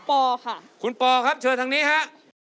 ปค่ะคุณปอครับเชิญทางนี้ฮะ